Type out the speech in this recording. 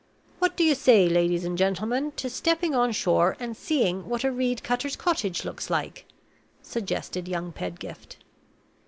"What do you say, ladies and gentlemen, to stepping on shore and seeing what a reed cutter's cottage looks like?" suggested young Pedgift.